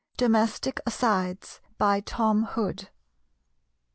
DOMESTIC ASIDES. TOM HOOD.